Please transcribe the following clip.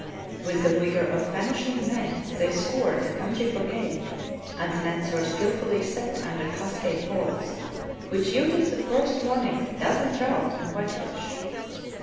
With the vigor of famishing men they scoured the country for game, and nets were skilfully set under cas cade falls, which yielded the first morning a dozen trout and white fish.